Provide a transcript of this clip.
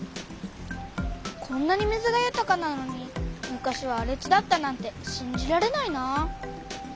こんなに水がゆたかなのに昔はあれ地だったなんてしんじられないなあ。